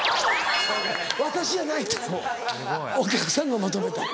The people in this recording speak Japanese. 「私じゃない」と「お客さんが求めた」。